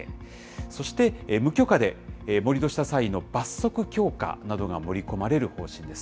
そして、無許可で盛り土した際の罰則強化などが盛り込まれる方針です。